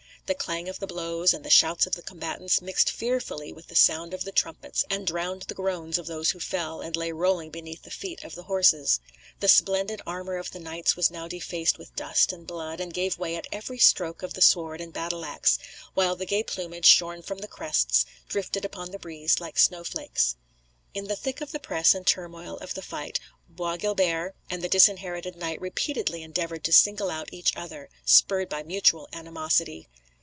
The clang of the blows, and the shouts of the combatants, mixed fearfully with the sound of the trumpets, and drowned the groans of those who fell, and lay rolling beneath the feet of the horses. The splendid armour of the knights was now defaced with dust and blood, and gave way at every stroke of the sword and battle axe; while the gay plumage, shorn from the crests, drifted upon the breeze like snowflakes. In the thick of the press and turmoil of the fight Bois Guilbert and the Disinherited Knight repeatedly endeavoured to single out each other, spurred by mutual animosity.